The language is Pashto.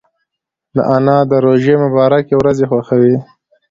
انا د روژې مبارکې ورځې خوښوي